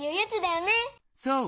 そう！